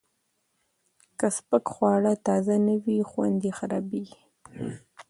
که سپک خواړه تازه نه وي، خوند یې خرابېږي.